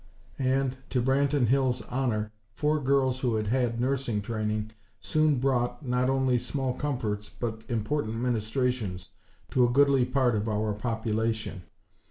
And, to Branton Hills' honor four girls who had had nursing training soon brought, not only small comforts, but important ministrations to a goodly part of our population.